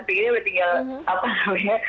pikirnya udah tinggal apa namanya